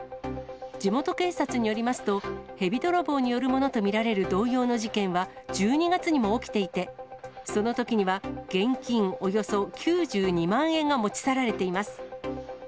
地元警察によりますと、ヘビ泥棒によるものと見られる同様の事件は、１２月にも起きていて、そのときには現金およそ９２万円が持ち去られています。